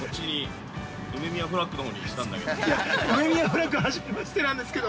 ◆いや、梅宮フラッグ初めましてなんですけど。